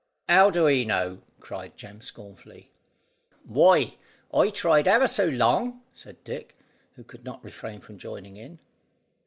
"How do he know?" cried Jem scornfully. "Why, I tried ever so long," said Dick, who could not refrain from joining in.